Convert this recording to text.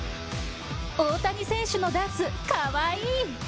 大谷選手のダンス、かわいい。